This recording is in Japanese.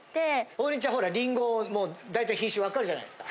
王林ちゃんほらリンゴをもうだいたい品種分かるじゃないですか。